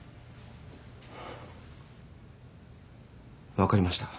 分かりました。